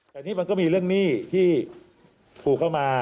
แต่นี่มันก็มีเรื่องหนี้ที่ผูกเข้ามา